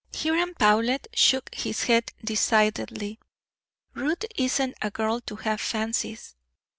Hiram Powlett shook his head decidedly. "Ruth isn't a girl to have fancies.